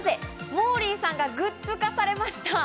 モーリーさんがグッズ化されました。